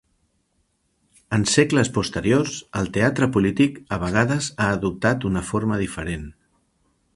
En segles posteriors, el teatre polític a vegades ha adoptat una forma diferent.